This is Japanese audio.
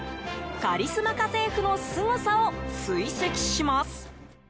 カリスマ家政婦のすごさを追跡します。